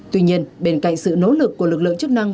tuy nhiên bên cạnh sự nỗ lực của lực lượng chức năng